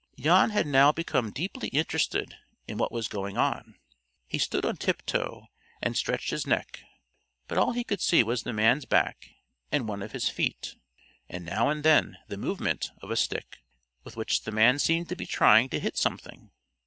Jan had now become deeply interested in what was going on. He stood on tiptoe, and stretched his neck; but all he could see was the man's back and one of his feet, and now and then the movement of a stick with which the man seemed to be trying to hit something.